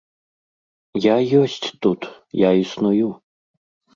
Я ёсць тут, я існую.